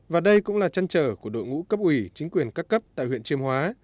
và đây cũng là chăn trở của đội ngũ cấp ủy chính quyền các cấp tại huyện triềm hóa